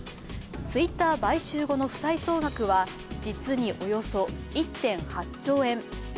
Ｔｗｉｔｔｅｒ買収後の負債総額は実におよそ１．８兆円。